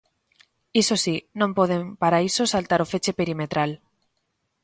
Iso si, non poden para iso saltar o feche perimetral.